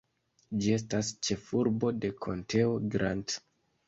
Ĝi estas ĉefurbo de konteo Grant.